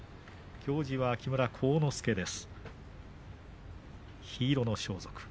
行司は木村晃之助です。